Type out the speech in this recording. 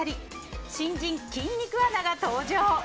新人、筋肉アナが登場。